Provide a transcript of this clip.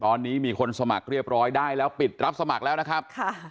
ตอนนี้มีคนสมัครเรียบร้อยได้แล้วปิดรับสมัครแล้วนะครับ